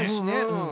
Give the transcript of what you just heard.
うん。